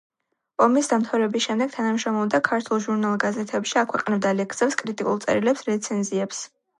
ომის დამთავრების შემდეგ თანამშრომლობდა ქართულ ჟურნალ გაზეთებში, აქვეყნებდა ლექსებს, კრიტიკულ წერილებს, რეცენზიებს.